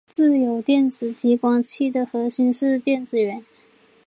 自由电子激光器的核心是电子源。